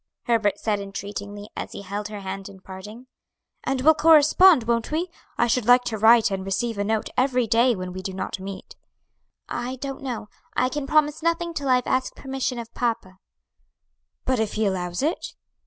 Herbert said entreatingly, as he held her hand in parting. "And we'll correspond, won't we? I should like to write and receive a note every day when we do not meet." "I don't know; I can promise nothing till I have asked permission of papa." "But if he allows it?"